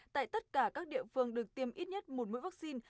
tại tất cả các địa phương được tiêm ít nhất một mũi vaccine